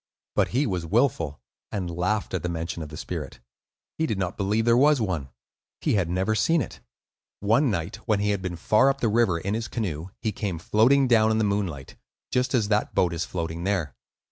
But he was wilful, and laughed at the mention of the spirit. He did not believe there was one; he had never seen it. One night when he had been far up the river in his canoe, he came floating down in the moonlight, just as that boat is floating there.